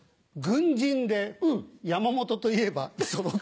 軍人で山本といえば五十六。